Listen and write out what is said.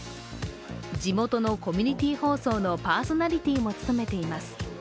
地元のコミュニティ放送のパーソナリティも務めています。